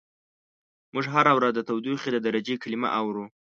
موږ هره ورځ د تودوخې د درجې کلمه اورو.